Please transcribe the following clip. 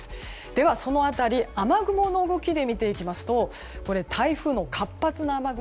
では、その辺り雨雲の動きで見ていきますと台風の活発な雨雲